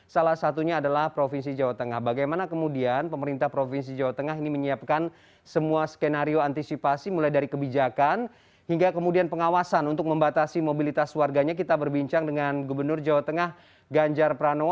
salah satunya adalah provinsi jawa tengah bagaimana kemudian pemerintah provinsi jawa tengah ini menyiapkan semua skenario antisipasi mulai dari kebijakan hingga kemudian pengawasan untuk membatasi mobilitas warganya kita berbincang dengan gubernur jawa tengah ganjar pranowo